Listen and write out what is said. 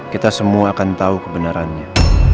kita semua akan tahu kebenarannya